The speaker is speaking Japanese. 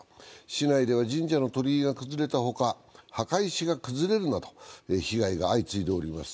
市内では神社の鳥居が崩れたほか、墓石が崩れるなど被害が相次いでおります。